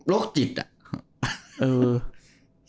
โลกจิตอ่ะ